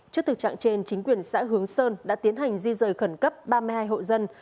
trước thực trạng trên chính quyền xã hướng sơn đã tiến hành di rời khẩn cấp ba mươi hai hộ dân